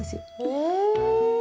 へえ。